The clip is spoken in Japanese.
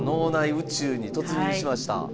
宇宙に突入しました。